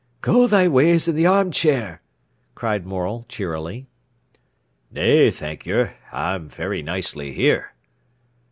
"Go thy ways i' th' armchair," cried Morel cheerily. "Nay, thank yer; I'm very nicely here."